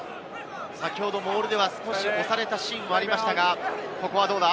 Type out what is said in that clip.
先ほどモールでは少し押されたシーンもありましたが、ここはどうだ？